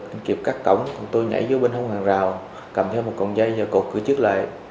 anh kiệt cắt cổng tôi nhảy vô bên hông hàng rào cầm theo một cổng dây và cột cửa trước lại